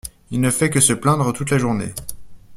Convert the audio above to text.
Il ne fait que se plaindre toute la journée.